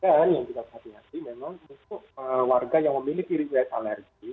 dan yang kita perhatikan memang untuk warga yang memiliki uas alergi